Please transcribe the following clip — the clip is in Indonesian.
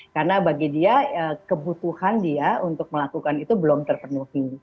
karena bagi dia kebutuhan dia untuk melakukan itu belum terpenuhi